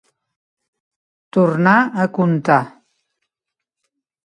Tornar a contar.